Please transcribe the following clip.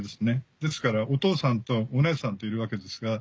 ですからお父さんとお姉さんといるわけですが。